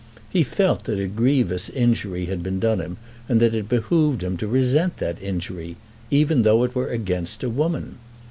He felt that a grievous injury had been done him, and that it behoved him to resent that injury, even though it were against a woman.